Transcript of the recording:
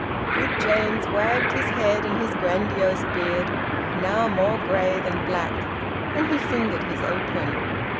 Big James wagged his head and his grandiose beard, now more grey than black, and he fingered his apron.